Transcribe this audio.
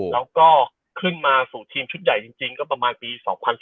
แล้วก็ขึ้นมาสู่ทีมชุดใหญ่จริงก็ประมาณปี๒๐๑๘